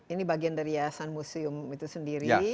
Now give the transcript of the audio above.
ini bagian dari yayasan museum itu sendiri